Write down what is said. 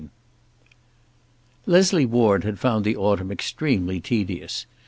XL Leslie Ward had found the autumn extremely tedious.